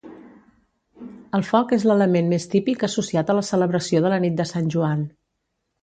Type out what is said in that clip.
El foc és l'element més típic associat a la celebració de la nit de Sant Joan.